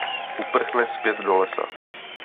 Uprchne zpět do lesa.